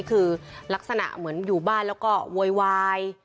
คือลักษณะเหมือนอยู่บ้านแล้วก็โวยวาย